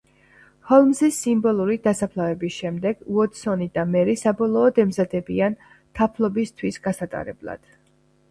ჰოლმზის სიმბოლური დასაფლავების შემდეგ, უოტსონი და მერი საბოლოოდ ემზადებიან თაფლობის თვის გასატარებლად.